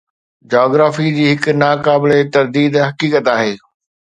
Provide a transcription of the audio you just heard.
Geography جي هڪ ناقابل ترديد حقيقت آهي.